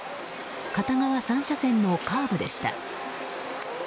片側３車線のカーブでした。